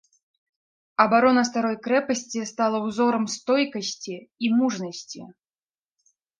Абарона старой крэпасці стала ўзорам стойкасці і мужнасці.